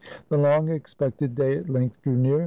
The long expected day at length drew near.